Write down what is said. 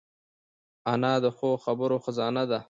انا د ښو خبرو خزانه ده